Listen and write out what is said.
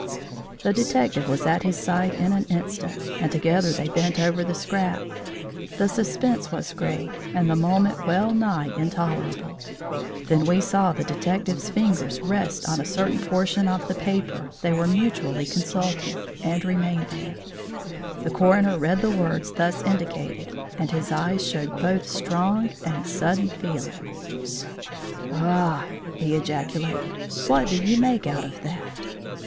The detective was at his side in an instant, and together they bent over the scrap. The suspense was great, and the moment well nigh intolerable. Then we saw the detective's finger rest on a certain portion of the paper they were mutually consulting, and remain there. The coroner read the words thus indicated, and his face showed both strong and sudden feeling. "Ah!" he ejaculated. "What do you make out of that?"